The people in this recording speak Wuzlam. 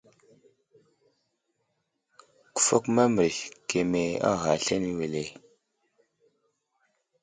Kəfakuma mərez keme a ghay aslane wele.